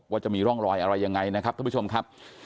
จะมีร่องรอยอะไรยังไงนะครับท่านผู้ชมครับ